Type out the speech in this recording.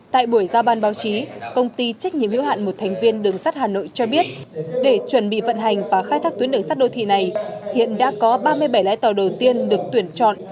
tại buổi giao ban báo chí công ty trách nhiệm hữu hạn một thành viên đường sắt hà nội cho biết để chuẩn bị vận hành và khai thác tuyến đường sắt đô thị này hiện đã có ba mươi bảy lái tàu đầu tiên được tuyển chọn